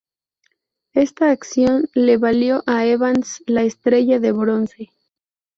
Esta acción le valió a Evans la Estrella de Bronce.